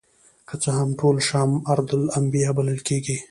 که څه هم ټول شام ارض الانبیاء بلل کیږي.